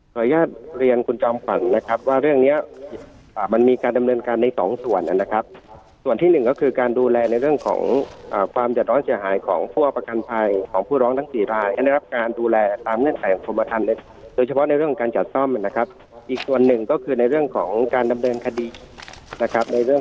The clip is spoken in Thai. อนุญาตเรียนคุณจอมขวัญนะครับว่าเรื่องเนี้ยมันมีการดำเนินการในสองส่วนนะครับส่วนที่หนึ่งก็คือการดูแลในเรื่องของความเดือดร้อนเสียหายของผู้เอาประกันภัยของผู้ร้องทั้งสี่รายให้ได้รับการดูแลตามเงื่อนไขของกรมฐานเล็กโดยเฉพาะในเรื่องการจัดซ่อมนะครับอีกส่วนหนึ่งก็คือในเรื่องของการดำเนินคดีนะครับในเรื่อง